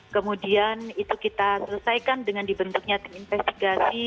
kemudian itu kita selesaikan dengan dibentuknya tim investigasi